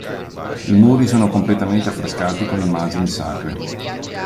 I muri sono completamente affrescati con immagini sacre.